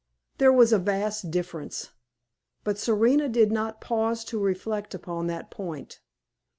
There was a vast difference; but Serena did not pause to reflect upon that point.